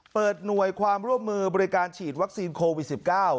เปิดหน่วยความร่วมมือบริการฉีดวัคซีนโควิด๑๙